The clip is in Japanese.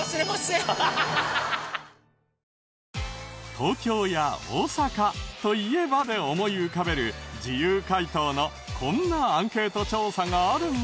「東京や大阪と言えば？」で思い浮かべる自由回答のこんなアンケート調査があるんだけど。